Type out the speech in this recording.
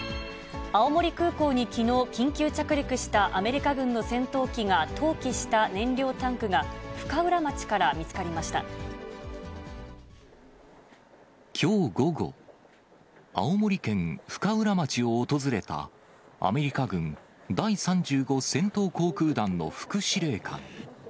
青森空港にきのう、緊急着陸したアメリカ軍の戦闘機が投棄した燃料タンクが、深浦町きょう午後、青森県深浦町を訪れた、アメリカ軍第３５戦闘航空団の副司令官。